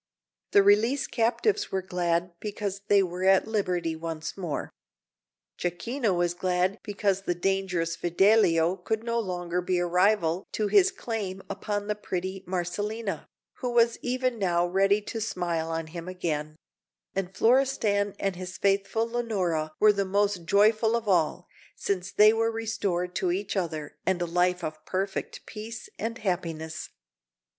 The released captives were glad because they were at liberty once more; Jacquino was glad because the dangerous Fidelio could no longer be a rival to his claim upon the pretty Marcellina, who was even now ready to smile on him again; and Florestan and his faithful Leonora were the most joyful of all, since they were restored to each other and a life of perfect peace and happiness.